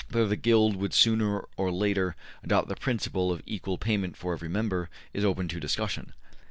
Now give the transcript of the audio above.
Whether the Guilds would, sooner or later, adopt the principle of equal payment for every member, is open to discussion.''